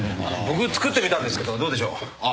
僕作ってみたんですけどどうでしょう？